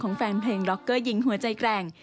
แฟนเพลงร็อกเกอร์หญิงหัวใจแกร่ง